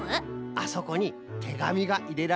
あそこにてがみがいれられるんじゃって。